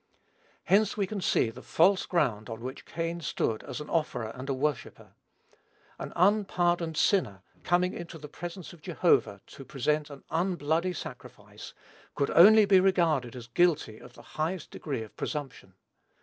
Hence we can see the false ground on which Cain stood as an offerer and a worshipper. An unpardoned sinner coming into the presence of Jehovah, to present "an unbloody sacrifice," could only be regarded as guilty of the highest degree of presumption.